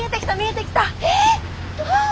えっ！？